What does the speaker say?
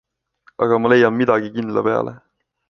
Aga ma leian midagi kindla peale.